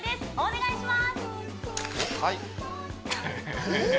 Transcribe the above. お願いします